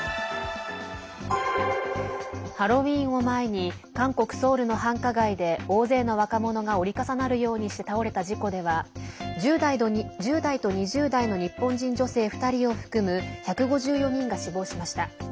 ハロウィーンを前に韓国ソウルの繁華街で大勢の若者が折り重なるようにして倒れた事故では１０代と２０代の日本人女性２人を含む１５４人が死亡しました。